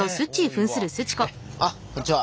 あっこんにちは。